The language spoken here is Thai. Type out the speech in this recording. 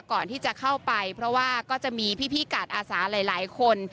ก่อนที่จะเข้าไปเพราะว่าก็จะมีพี่กาดอาสาหลายคน